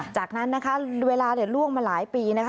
จากนั้นนะคะเวลาล่วงมาหลายปีนะคะ